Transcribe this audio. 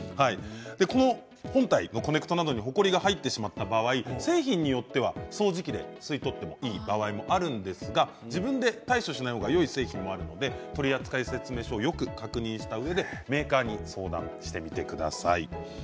この本体コネクトに、ほこりが入ってしまった場合製品によっては掃除機で吸い取ってもいい場合もあるんですが自分で対処しない方がよい製品もあるので取扱説明書をよく確認したうえでメーカーに相談してみてください。